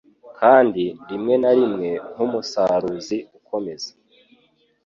Kandi rimwe na rimwe nk'umusaruzi ukomeza